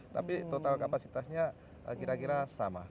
tapi total kapasitasnya kira kira sama